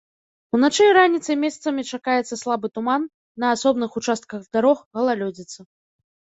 Уначы і раніцай месцамі чакаецца слабы туман, на асобных участках дарог галалёдзіца.